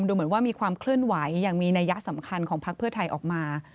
ดูเหมือนว่ามีความเคลื่อนไหวอย่างมีนัยยะสำคัญของพักเพื่อไทยออกมา